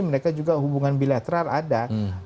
mereka juga hubungan bilateral ada